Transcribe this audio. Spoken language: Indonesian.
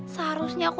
seharusnya aku tau